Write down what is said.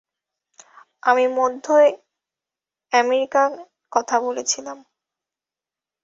আমি মধ্য আমেরিকার কথা বলছিলাম।